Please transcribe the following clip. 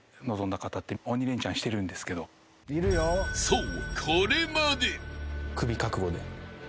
［そう］